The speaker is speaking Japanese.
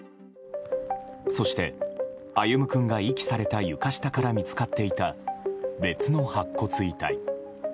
そして、歩夢君が遺棄された床下から見つかっていた別の白骨遺体。